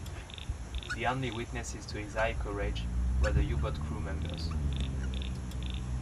The only witnesses to his high courage were the U-boat crew members.